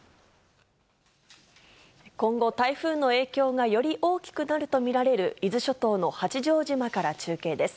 今後、台風の影響がより大きくなると見られる、伊豆諸島の八丈島から中継です。